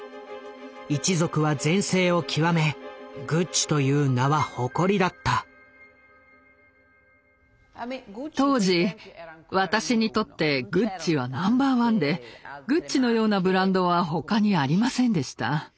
一族は全盛を極め当時私にとってグッチはナンバーワンでグッチのようなブランドは他にありませんでした。